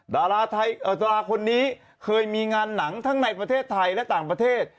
ดาราคนนี้เคยมีงานหนังทั้งในประเทศไทยและต่างประเทศ